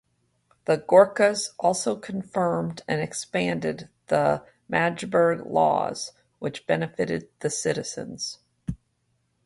The Gorkas also confirmed and expanded the Magdeburg Laws, which benefited the citizens.